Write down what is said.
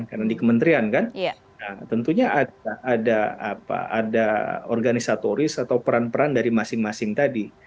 karena di kementerian kan tentunya ada organisatoris atau peran peran dari masing masing tadi